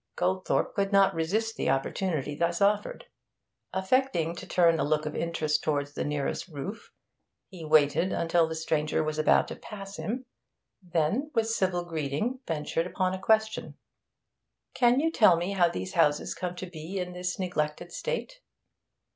Goldthorpe could not resist the opportunity thus offered. Affecting to turn a look of interest towards the nearest roof, he waited until the stranger was about to pass him, then, with civil greeting, ventured upon a question. 'Can you tell me how these houses come to be in this neglected state?'